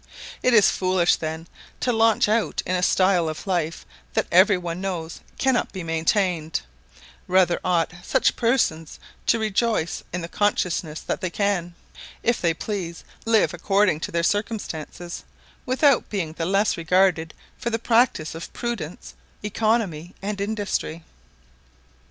It is foolish, then, to launch out in a style of life that every one knows cannot be maintained; rather ought such persons to rejoice in the consciousness that they can, if they please, live according to their circumstances, without being the less regarded for the practice of prudence, economy, and industry.